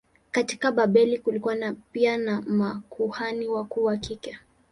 Katika Babeli kulikuwa pia na makuhani wakuu wa kike.